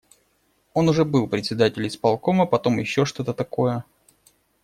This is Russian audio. Он уже был председатель исполкома, потом ещё что-то такое.